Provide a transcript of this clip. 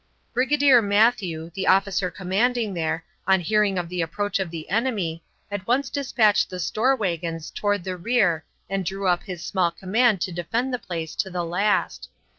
Brigadier Matthew, the officer commanding there, on hearing of the approach of the enemy, at once dispatched the store wagons toward the rear and drew up his small command to defend the place to the last.